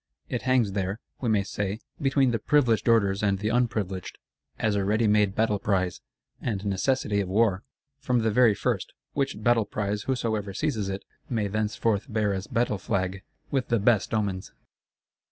It hangs there, we may say, between the Privileged Orders and the Unprivileged; as a ready made battle prize, and necessity of war, from the very first: which battle prize whosoever seizes it—may thenceforth bear as battle flag, with the best omens!